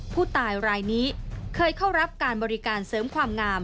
ผู้ตายรายนี้เคยเข้ารับการบริการเสริมความงาม